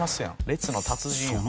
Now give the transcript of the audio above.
列の達人や」